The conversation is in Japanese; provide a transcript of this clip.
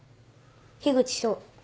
樋口翔。